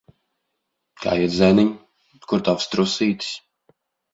Kā iet, zēniņ? Kur tavs trusītis?